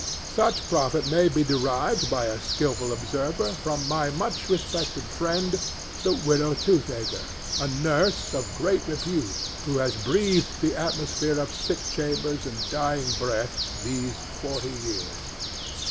Such profit might be derived by a skilful observer from my much respected friend the Widow Toothaker, a nurse of great repute who has breathed the atmosphere of sick chambers and dying breaths these forty years.